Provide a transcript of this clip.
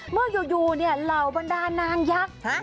เมื่ออยู่เหล่าบรรดานางยักษ์